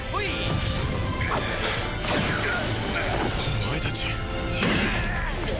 お前たち！